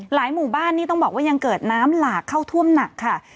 หมู่บ้านนี่ต้องบอกว่ายังเกิดน้ำหลากเข้าท่วมหนักค่ะ